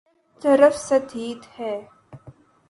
ہر طرف سطحیت ہے۔